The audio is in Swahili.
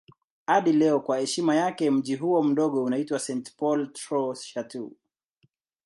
Hadi leo kwa heshima yake mji huo mdogo unaitwa St. Paul Trois-Chateaux.